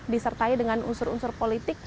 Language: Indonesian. disertai dengan unsur unsur politik